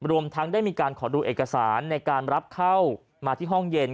รวมทั้งได้มีการขอดูเอกสารในการรับเข้ามาที่ห้องเย็น